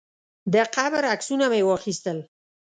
د قبر عکسونه مې واخیستل.